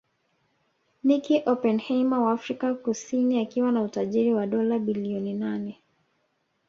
Nicky Oppenheimer wa Afrika Kusini akiwa na utajiri wa dola bilioni nane